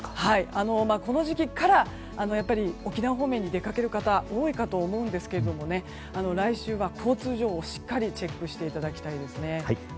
この時期から沖縄方面に出かける方は多いかと思うんですけれども来週は交通情報をしっかりチェックしていただきたいです。